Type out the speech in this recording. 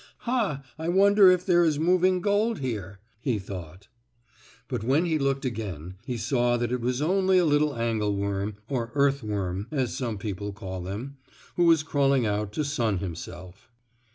"Ha! I wonder if there is moving gold here?" he thought. But when he looked again he saw that it was only a little angleworm, or earth worm, as some people call them, who was crawling out to sun himself.